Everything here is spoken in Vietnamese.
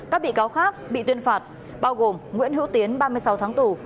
các bị cáo khác bị tuyên phạt bao gồm nguyễn hữu tiến ba mươi sáu tháng tù